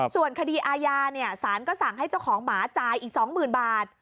ส่วนคดีอาญาสารก็สั่งให้เจ้าของหมาจ่ายอีก๒๐๐๐บาท